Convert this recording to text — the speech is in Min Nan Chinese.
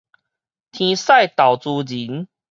天使投資人